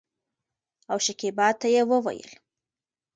او شکيبا ته يې وويل